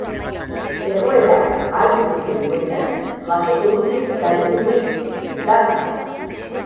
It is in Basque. Egoerak ahalbidetzen duenean jasoko dute saridunek tarta.